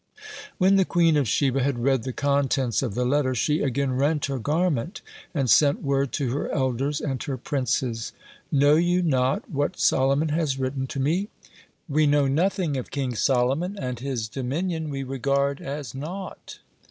When the Queen of Sheba had read the contents of the letter, she again rent her garment, and sent word to her elders and her princes: "Know you not what Solomon has written to me?" They answered: "We know nothing of King Solomon, and his dominion we regard as naught."